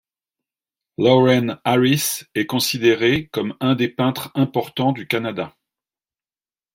Lawren Harris est considéré comme un des peintres importants du Canada.